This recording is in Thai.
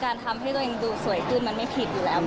ทำให้ตัวเองดูสวยขึ้นมันไม่ผิดอยู่แล้ว